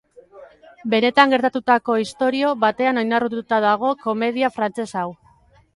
Benetan gertatutako istorio batean oinarrituta dago komedia frantses hau.